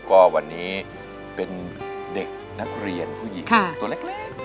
ก็วันนี้เป็นเด็กนักเรียนผู้หญิงตัวเล็ก